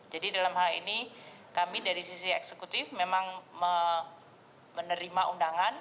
dalam hal ini kami dari sisi eksekutif memang menerima undangan